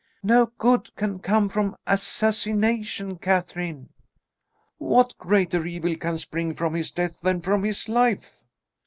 "No good can come from assassination, Catherine." "What greater evil can spring from his death than from his life?"